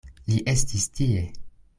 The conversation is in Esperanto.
Li estis tie!